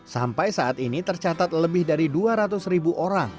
sampai saat ini tercatat lebih dari dua ratus ribu orang